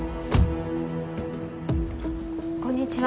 こんにちは